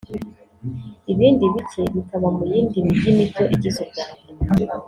ibindi bike bikaba mu yindi mijyi mito igize u Rwanda